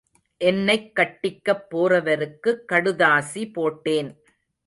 என்னைக் கட்டிக்கப்போறவருக்குக் கடுதாசி போட்டேன்.